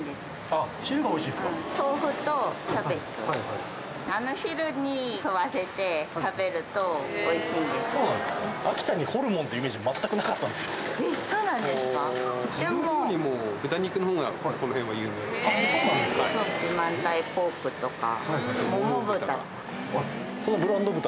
あそうなんですか。